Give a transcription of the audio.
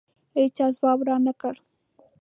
هېچا ځواب رانه کړ.